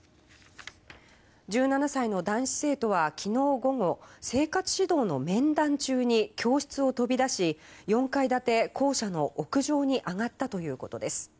１７歳の男子生徒は昨日午後生活指導の面談中に教室を飛び出し４階建て校舎の屋上に上がったということです。